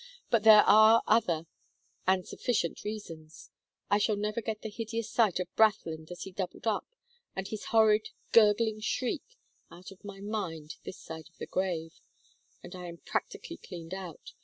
But there are other and sufficient reasons. I shall never get the hideous sight of Brathland as he doubled up, and his horrid gurgling shriek, out of my mind this side of the grave. And I am practically cleaned out.